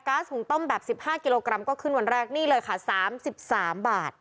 หุงต้มแบบ๑๕กิโลกรัมก็ขึ้นวันแรกนี่เลยค่ะ๓๓บาท